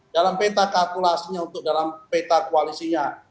dalam peta kalkulasinya untuk dalam peta koalisinya